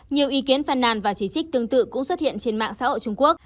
nhiều ý kiến phan nàn và chỉ trích tương tự cũng xuất hiện trên mạng xã hội trung quốc